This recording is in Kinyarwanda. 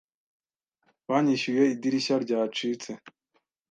Banyishyuye idirishya ryacitse.